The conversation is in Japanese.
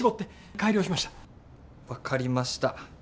分かりました。